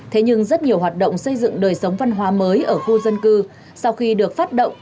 thế nhưng rất nhiều hoạt động xây dựng đời sống văn hóa mới ở khu dân cư sau khi được phát động